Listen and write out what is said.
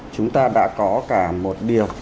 chúng ta đã có cả một điều